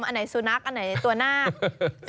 อันไหนสุนัขอันไหนตัวนาค